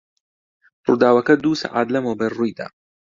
ڕووداوەکە دوو سەعات لەمەوبەر ڕووی دا.